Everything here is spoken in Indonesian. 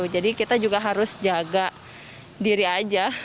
jadi kita juga harus jaga diri aja